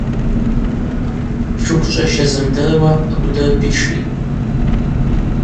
Тшыквчӏваща зымдыруа акӏвдыр питшитӏ.